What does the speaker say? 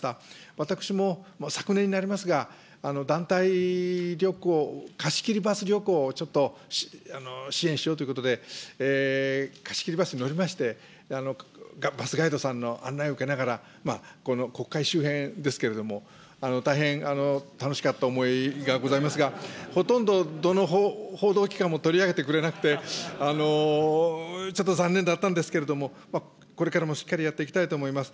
私も昨年になりますが、団体旅行、貸し切りバス旅行をちょっと支援しようということで、貸し切りバスに乗りまして、バスガイドさんの案内を受けながら、国会周辺ですけれども、大変、楽しかった思いがございますが、ほとんどどの報道機関も取り上げてくれなくて、ちょっと残念だったんですけれども、これからもしっかりやっていきたいと思います。